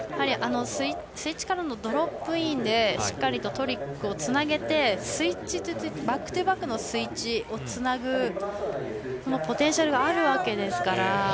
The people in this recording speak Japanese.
スイッチからのドロップインでしっかりとトリックをつなげてバックトゥバックのスイッチをつなぐこのポテンシャルがあるわけなので。